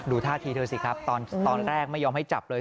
ท่าทีเธอสิครับตอนแรกไม่ยอมให้จับเลย